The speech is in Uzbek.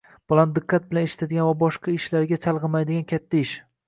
Bolani diqqat bilan eshitadigan va boshqa ishlarga chalg‘imaydigan katta kishi